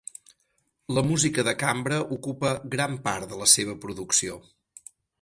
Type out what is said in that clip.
La música de cambra ocupa gran part de la seva producció.